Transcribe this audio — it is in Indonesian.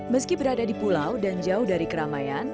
meski berada di pulau dan jauh dari keramaian